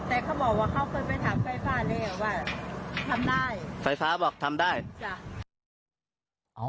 แต่เขาบอกว่าเขาเคยไปถามไฟฟ้าแล้วว่าทำได้ไฟฟ้าบอกทำได้จ้ะ